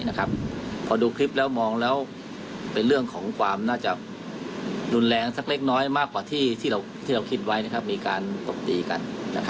เพราะดูคลิปแล้วมองแล้วเป็นความน่าจะนุนแรงสักเล็กน้อยมากว่าที่เราคิดว่ามีการตกตีกัน